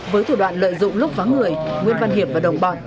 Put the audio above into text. với thủ đoạn lợi dụng lúc phá người nguyễn văn hiệp và đồng bọn